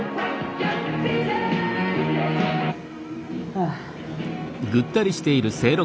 はあ。